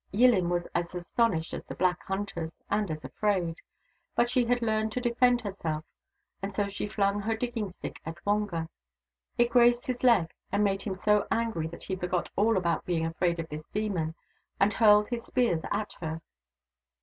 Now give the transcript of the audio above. Yillin was as astonished as the black hunters — and as afraid. But she had learned to defend herself, and so she flung her digging stick at Wonga. It grazed his leg, and made him so angry that he forgot all about being afraid of this demon, and hurled his spears at her.